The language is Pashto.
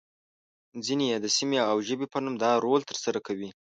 ځینې يې د سیمې او ژبې په نوم دا رول ترسره کوي.